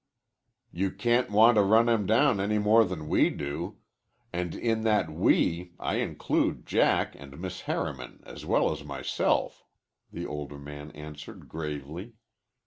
"You can't want to run him down any more than we do and in that 'we' I include Jack and Miss Harriman as well as myself," the older man answered gravely.